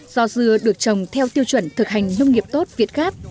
do dưa được trồng theo tiêu chuẩn thực hành nông nghiệp tốt việt gáp